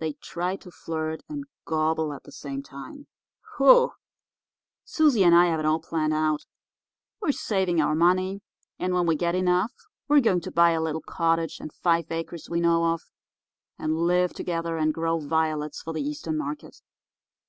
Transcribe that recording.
They try to flirt and gobble at the same time. Whew! Susie and I have it all planned out. We're saving our money, and when we get enough we're going to buy a little cottage and five acres we know of, and live together, and grow violets for the Eastern market.